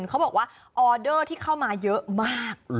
เขาบอกว่าออเดอร์ที่เข้ามาเยอะมาก